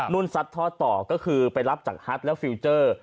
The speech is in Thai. ซัดทอดต่อก็คือไปรับจากฮัตและฟิลเจอร์